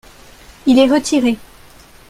Il est retiré.